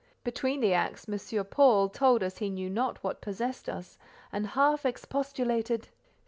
Between the acts M. Paul, told us he knew not what possessed us, and half expostulated.